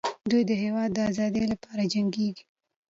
دوی د هېواد د ازادۍ لپاره جنګېږي.